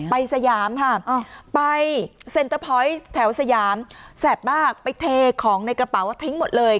สยามค่ะไปเซ็นเตอร์พอยต์แถวสยามแสบมากไปเทของในกระเป๋าทิ้งหมดเลย